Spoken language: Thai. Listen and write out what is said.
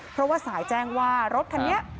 เพราะว่าสายแจ้งว่ารถคันนี้